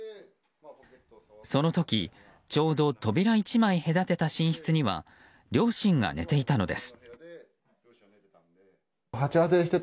その時、ちょうど扉１枚隔てた寝室には両親が寝ていたのです。